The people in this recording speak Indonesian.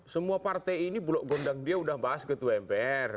semua partai ini bulog gondang dia udah bahas ketua mpr